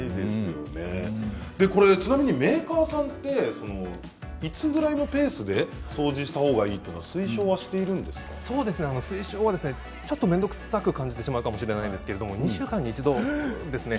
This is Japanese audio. メーカーさんはいつぐらいのペースで掃除したほうがいいと推奨はちょっと面倒くさく感じてしまうかもしれませんが２週間に一度ですね。